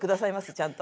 ちゃんと。